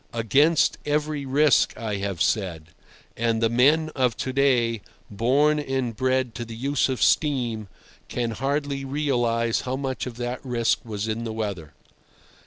Against every risk, I have said; and the men of to day, born and bred to the use of steam, can hardly realize how much of that risk was in the weather.